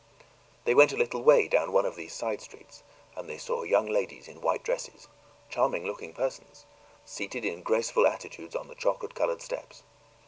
They went a little way down one of these side streets, and they saw young ladies in white dresses charming looking persons seated in graceful attitudes on the chocolate colored steps.